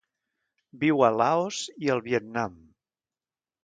Viu a Laos i el Vietnam.